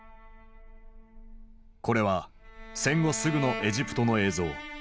これは戦後すぐのエジプトの映像。